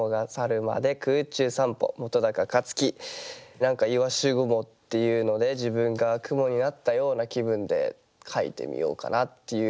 何か「鰯雲」っていうので自分が雲になったような気分で書いてみようかなっていう。